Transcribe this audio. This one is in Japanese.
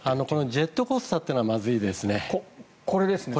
ジェットコースターというのがこれですね。